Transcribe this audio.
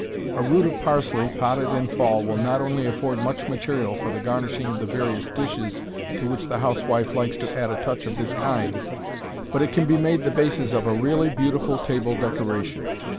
A root of parsley, potted in fall, will not only afford much material for the garnishing of the various dishes to which the housewife likes to add a touch of this kind, but it can be made the basis of a really beautiful table decoration.